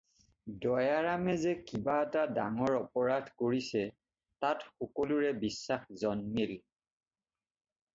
দয়াৰামে যে কিবা এটা ডাঙৰ অপৰাধ কৰিছে তাত সকলোৰে বিশ্বাস জন্মিল।